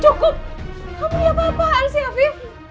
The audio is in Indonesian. cukup kamu apa apaan sih afif